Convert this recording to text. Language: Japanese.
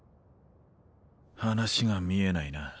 話が見えないな。